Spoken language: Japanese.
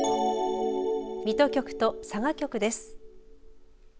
水戸局と佐賀局です。